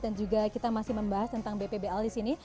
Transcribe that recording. dan juga kita masih membahas tentang bpbl disini